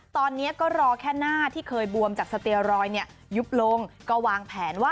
ตอนนี้ก็รอแค่หน้าที่เคยบวมจากสเตรอยยุบลง